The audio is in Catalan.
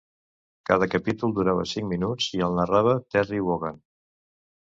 Cada capítol durava cinc minuts i el narrava Terry Wogan.